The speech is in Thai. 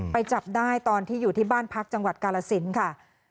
ไปจับได้ตอนที่อยู่ที่บ้านพักจังหวัดกาลสินค่ะ